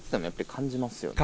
感じますよね。